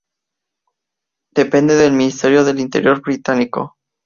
Depende del Ministerio del Interior británico.